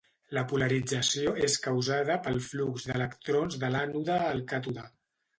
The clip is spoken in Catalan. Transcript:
La polarització és causada pel flux d'electrons de l'ànode al càtode.